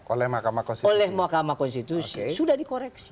oleh mahkamah konstitusi sudah dikoreksi